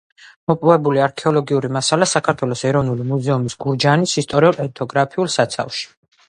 მოპოვებული არქეოლოგიური მასალა საქართველოს ეროვნული მუზეუმის გურჯაანის ისტორიულ-ეთნოგრაფიულ საცავში.